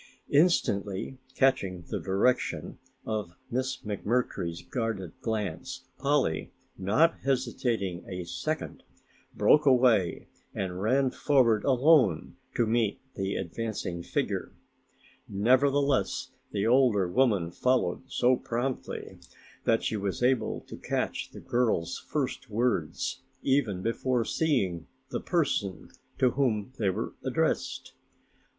Instantly catching the direction of Miss McMurtry's guarded glance, Polly, not hesitating a second, broke away and ran forward alone to meet the advancing figure. Nevertheless, the older woman followed so promptly that she was able to catch the girl's first words even before seeing the person to whom they were addressed.